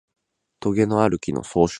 とげのある木の総称である